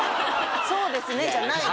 「そうですね」じゃない。